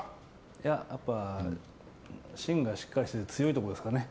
やっぱり芯がしっかりしてて強いところですかね。